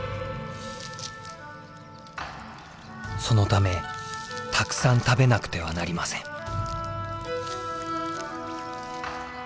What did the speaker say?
そのためたくさん食べなくてはなりません。